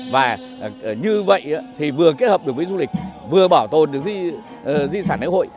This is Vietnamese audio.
và như vậy thì vừa kết hợp được với du lịch vừa bảo tồn được di sản lễ hội